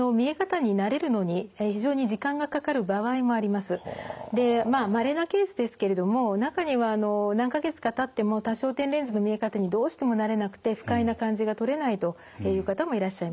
ですけれどもいいところばかりではなくてでまあまれなケースですけれども中には何か月かたっても多焦点レンズの見え方にどうしても慣れなくて不快な感じが取れないという方もいらっしゃいます。